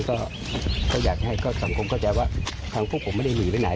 ก็อยากให้สังคมเข้าใจว่าทางพวกผมไม่ได้หนีไปไหน